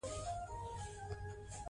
هغه سړی چې راځي، بل دی.